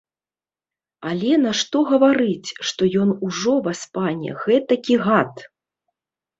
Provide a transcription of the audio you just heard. Але нашто гаварыць, што ён ужо, васпане, гэтакі гад.